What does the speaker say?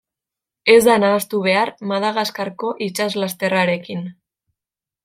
Ez da nahastu behar Madagaskarko itsaslasterrarekin.